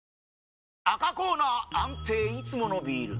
赤コーナー安定いつものビール！